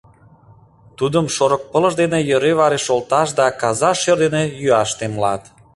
Тудым шорыкпылыш дене йӧре-варе шолташ да каза шӧр дене йӱаш темлат.